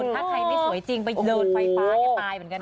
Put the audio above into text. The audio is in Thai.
ถ้าใครไม่สวยจริงไปเดินไฟฟ้าตายเหมือนกัน